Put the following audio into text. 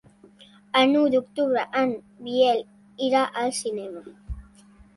El nou d'octubre en Biel irà al cinema.